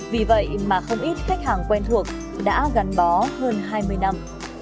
vì vậy mà không ít khách hàng quen thuộc đã gắn bó hơn hai mươi năm